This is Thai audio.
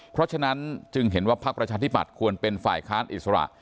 เพราะฉะนั้นจึงเห็นว่าพักประชาธิบัตย์ควรเป็นฝ่ายค้านอิสระ